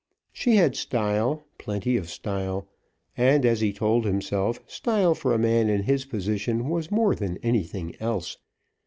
She had style, plenty of style; and, as he told himself, style for a man in his position was more than anything else.